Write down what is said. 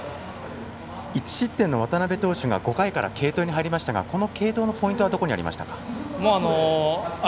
１失点の渡邊投手が５回から継投に入りましたがこの継投のポイントはどこにありましたか。